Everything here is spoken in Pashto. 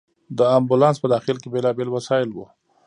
د امبولانس په داخل کې بېلابېل وسایل وو.